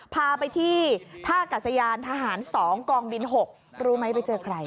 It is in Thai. พาไปที่ท่ากัศยานทหาร๒กองบิน๖รู้ไหมไปเจอใคร